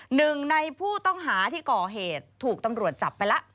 หนึ่งในผู้ต้องหาที่ก่อเหตุถูกตำรวจจับไปแล้ว